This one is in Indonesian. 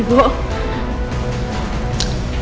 selamat siang putri